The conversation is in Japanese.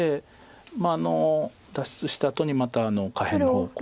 まあ脱出したあとにまた下辺の方向。